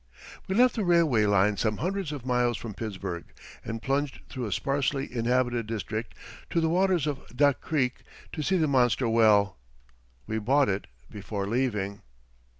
We left the railway line some hundreds of miles from Pittsburgh and plunged through a sparsely inhabited district to the waters of Duck Creek to see the monster well. We bought it before leaving.